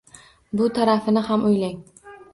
Bu tarafini ham o‘ylang.